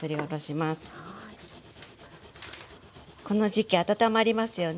この時期温まりますよね